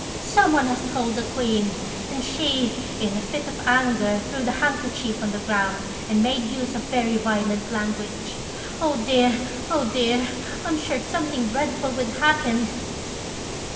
Some one has told the Queen, and she, in a fit of anger, threw the handkerchief on the ground, and made use of very violent language. Oh dear! oh dear! I'm sure something dreadful will happen."